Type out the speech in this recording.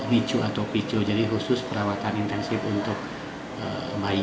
picu atau picu jadi khusus perawatan intensif untuk bayi